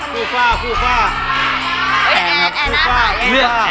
ไม่ได้อยากแอ่นนะครับ